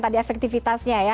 tadi efektifitasnya ya